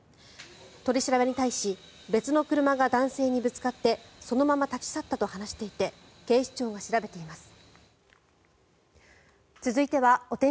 取り調べに対し別の車が男性にぶつかってそのまま立ち去ったと話していて警視庁が調べています。